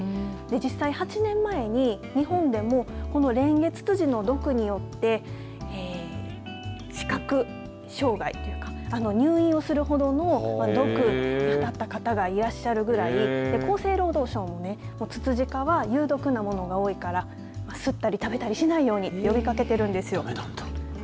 実際８年前に日本でもこのレンゲツツジの毒によって視覚障害とか入院をするほどの毒に当たった方がいらっしゃるくらい厚生労働省もつつじ科は有毒なものが多いから吸ったり食べたりしないように呼びかけているんですよ。